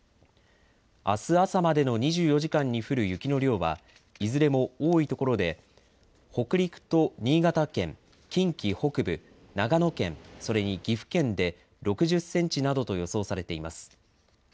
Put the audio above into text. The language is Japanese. あす朝までの２４時間に降る雪の量はいずれも多いところで北陸と新潟県、近畿北部、長野県、それに岐阜県で６０センチなどと予想されています。